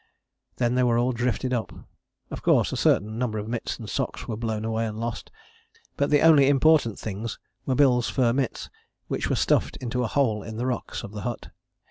Then they were all drifted up. Of course a certain number of mitts and socks were blown away and lost, but the only important things were Bill's fur mitts, which were stuffed into a hole in the rocks of the hut.